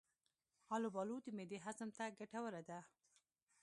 البالو د معدې هضم ته ګټوره ده.